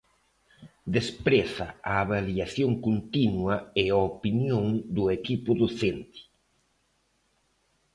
Despreza a avaliación continua e a opinión do equipo docente.